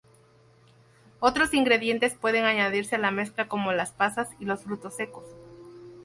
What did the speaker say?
Otros ingredientes pueden añadirse a la mezcla, como las pasas y los frutos secos.